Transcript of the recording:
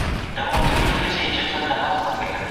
سوله د هر افغان تر ټولو لویه هیله ده.